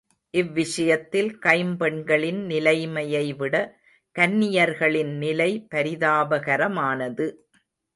இவ்விஷயத்தில் கைம்பெண்களின் நிலைமையைவிட கன்னியர்களின் நிலை பரிதாபகரமானது.